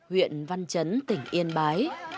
huyện văn trấn tỉnh yên bái